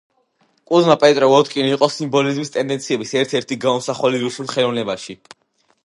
კუზმა პეტროვ-ვოდკინი იყო სიმბოლიზმის ტენდენციების ერთ-ერთი გამომსახველი რუსულ ხელოვნებაში.